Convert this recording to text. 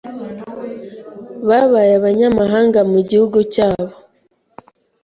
babaye abanyamahanga mu gihugu cyabo